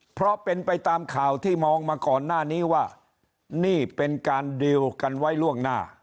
เพราะเป็นไปตามข่าวที่มองมาก่อนหน้านี้ว่านี่เป็นการดีลกันไว้ล่วงหน้า